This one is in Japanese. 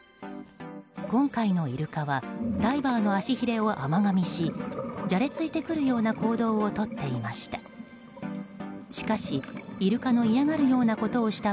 今回のイルカはダイバーの足ヒレを甘がみしじゃれついてくるような行動をとっていました。